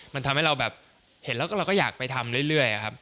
มันทำให้เราแบบเห็นแล้วก็เราก็อยากไปทำเรื่อยครับ